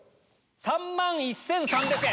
３万１３００円。